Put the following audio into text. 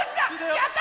やった！